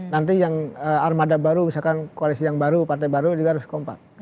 nanti yang armada baru misalkan koalisi yang baru partai baru juga harus kompak